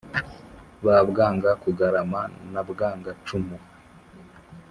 ba bwanga-kugarama na bwanga-cumu,